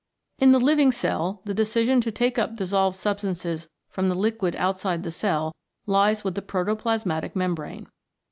In the living cell the decision to take up dis solved substances from the liquid outside the cell lies with the protoplasmatic membrane.